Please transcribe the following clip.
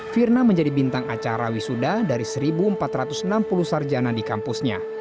firna menjadi bintang acara wisuda dari seribu empat ratus enam puluh sarjana di kampusnya